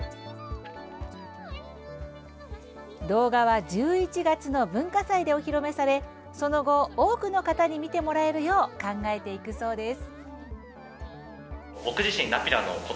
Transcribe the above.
動画は、１１月の文化祭でお披露目されその後、多くの方に見てもらえるよう考えていくそうです。